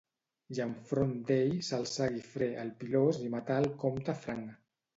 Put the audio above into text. I en front d'ell s'alçà Guifré el Pilós i matà el comte franc.